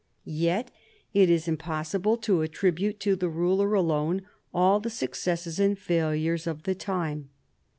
Yet it is impossible to attribute to the ruler alone all the suc cesses and failures of the time.